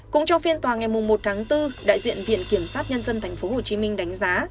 cũng trong phiên tòa ngày một tháng bốn đại diện viện kiểm sát nhân dân tp hcm đánh giá